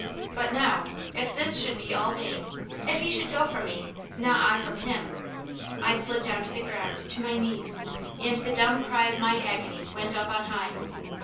But now, if this should be all vain, if he should go from me, not I from him I slid down to the ground, to my knees, and the dumb cry of my agony went up on high.